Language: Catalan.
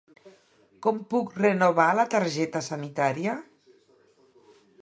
Com puc renovar la targeta sanitària?